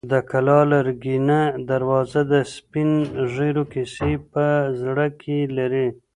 د کلا لرګینه دروازه د سپین ږیرو کیسې په زړه کې لري.